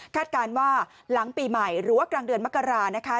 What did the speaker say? การว่าหลังปีใหม่หรือว่ากลางเดือนมกรานะคะ